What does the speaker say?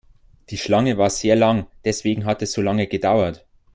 Die Schlange war sehr lang, deswegen hat es so lange gedauert.